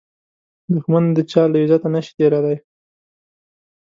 دښمن د چا له عزته نشي تېریدای